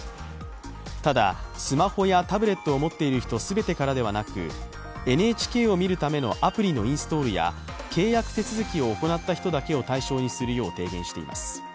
ただ、スマホやタブレットを持っている人全てからではなくＮＨＫを見るためのアプリのインストールや契約手続きを行った人だけを対象にするよう提言しています